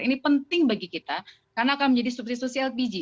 itu penting bagi kita karena akan menjadi subsidi subsidi lpg